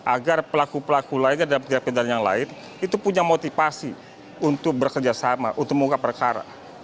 agar pelaku pelaku lainnya dan tindak pidana yang lain itu punya motivasi untuk bekerjasama untuk mengungkap perkara